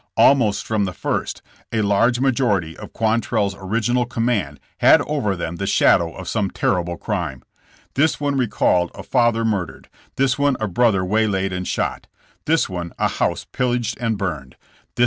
Almost from the first, a large major ity of QuantrelFs original command had over them the shadow of some terrible crime. This one re called a father murdered, this one a brother waylaid and shot, this one a house pillaged and burned, this The border wars.